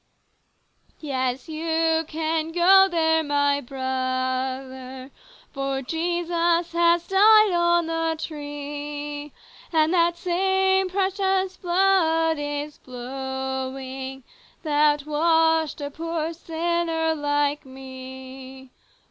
" Yes, you can go there, my brother, For Jesus has died on the tree ; And that same precious flood is flowing That washed a poor sinner like me.